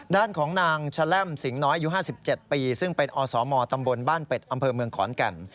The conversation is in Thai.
ด้านของนางแชล่มสิงหน้อยอายุ๕๗ปีซึ่งเป็นอสมตำบลบ้านเป็ดอำเภอเมืองขอนแก่น